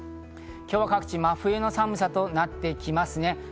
今日は各地、真冬の寒さとなってきますね。